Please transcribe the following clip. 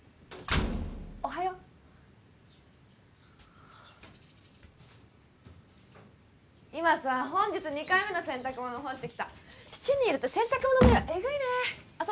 おはよう今さ本日二回目の洗濯物干してきた７人いると洗濯物の量えぐいねあっ